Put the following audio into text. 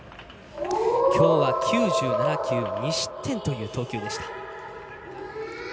きょうは９７球２失点という投球でした。